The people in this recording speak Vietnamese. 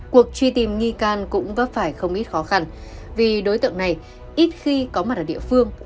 cuộc truy tìm nghi can cũng vấp phải không ít khó khăn vì đối tượng này ít khi có mặt ở địa phương